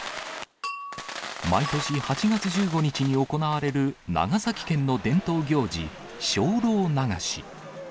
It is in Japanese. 毎年８月１５日に行われる長崎県の伝統行事、精霊流し。